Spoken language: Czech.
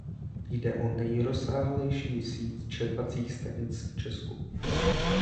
Jde o nejrozsáhlejší síť čerpacích stanic v Česku.